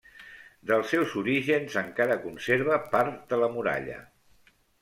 Dels seus orígens encara conserva part de la muralla.